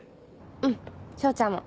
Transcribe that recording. うん彰ちゃんも！